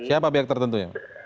siapa pihak tertentunya